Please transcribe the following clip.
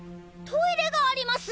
トイレがあります！